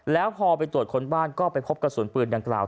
แล้วพอไปตรวจคนบ้านก็ไปพบกระสุนปืนดังกล่าว